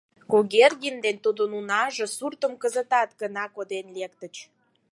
Кугергин ден тудын унаже суртым кызыт гына коден лектыч.